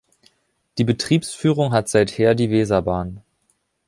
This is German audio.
Die Betriebsführung hat seither die Weserbahn.